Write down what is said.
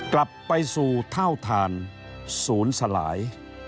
กลับไปสู่เท่าทานศูนย์สลาย